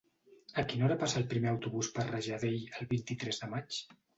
A quina hora passa el primer autobús per Rajadell el vint-i-tres de maig?